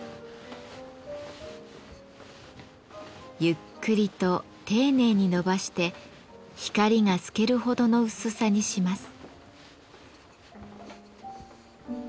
ゆっくりと丁寧に伸ばして光が透けるほどの薄さにします。